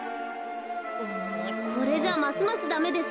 これじゃますますダメです。